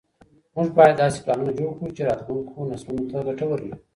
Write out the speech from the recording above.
موږ بايد داسې پلانونه جوړ کړو چي راتلونکو نسلونو ته ګټور وي.